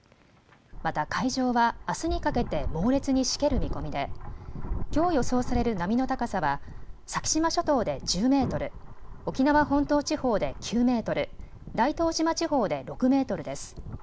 また海上はあすにかけて猛烈にしける見込みできょう予想される波の高さは先島諸島で１０メートル、沖縄本島地方で９メートル、大東島地方で６メートルです。